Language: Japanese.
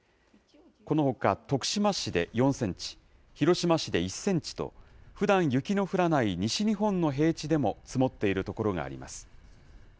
このほか徳島市で４センチ、広島市で１センチと、ふだん雪の降らない西日本の平地でも積もっている所があります。